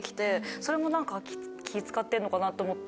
それも何か気使ってんのかなと思って。